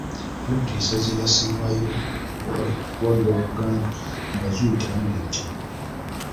Buddu ly'essaza eryasembayo okuwambibwa Buganda ng'Abazungu tebannajja